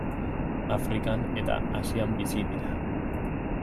Afrikan eta Asian bizi dira.